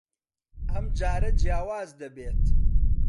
ئەم جارە جیاواز دەبێت.